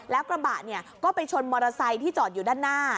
แล้วกระบะเนี่ยก็ไปชนมอเตอร์ไซค์ที่จอดอยู่ด้านหน้า